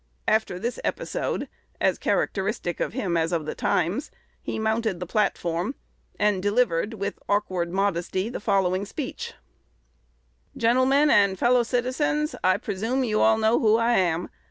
After this episode, as characteristic of him as of the times, he mounted the platform, and delivered, with awkward modesty, the following speech: "Gentlemen and Fellow Citizens, I presume you all know who I am.